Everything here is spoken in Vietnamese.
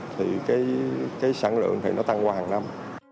thì cái sản lượng thì nó tăng qua hàng năm